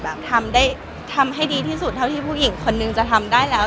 ทำได้ทำให้ดีที่สุดเท่าที่ผู้หญิงคนนึงจะทำได้แล้ว